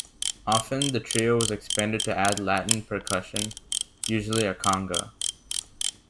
Often the trio was expanded to add Latin percussion, usually a conga.